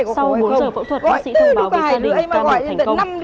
sau bốn giờ phẫu thuật bác sĩ thông báo với gia đình ca mệnh thành công